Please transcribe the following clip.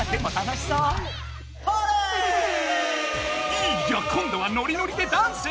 いや今度はノリノリでダンス！